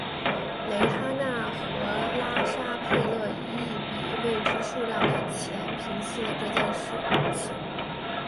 蕾哈娜和拉沙佩勒以一笔未知数量的钱平息了这件事情。